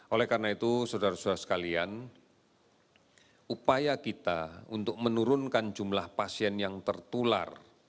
oleh karena itu saudara saudara sekalian upaya kita untuk menurunkan jumlah pasien yang tertular